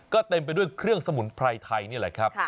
ก็เต็มไปด้วยเครื่องสมุนไพรไทยนี่แหละครับ